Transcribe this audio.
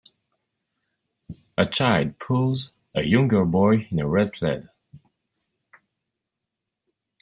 A child pulls a younger boy in a red sled.